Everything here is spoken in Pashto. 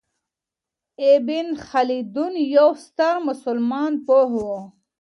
ابن خلدون یو ستر مسلمان پوه و.